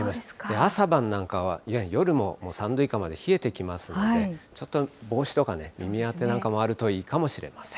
朝晩なんかは、夜ももう３度以下まで冷えてきますので、ちょっと帽子とか耳当てなんかもあるといいかもしれません。